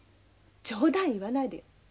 冗談言わないでよ！